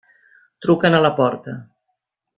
Truquen a la porta.